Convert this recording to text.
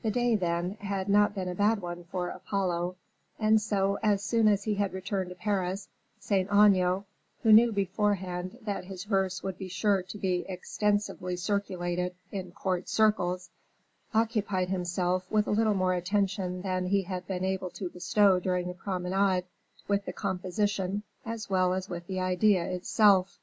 The day, then, had not been a bad one for Apollo; and so, as soon as he had returned to Paris, Saint Aignan, who knew beforehand that his verse would be sure to be extensively circulated in court circles, occupied himself, with a little more attention than he had been able to bestow during the promenade, with the composition, as well as with the idea itself.